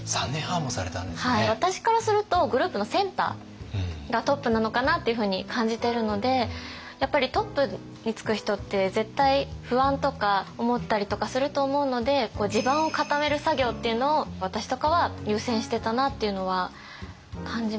私からするとグループのセンターがトップなのかなっていうふうに感じてるのでやっぱりトップにつく人って絶対不安とか思ったりとかすると思うので地盤を固める作業っていうのを私とかは優先してたなっていうのは感じますね。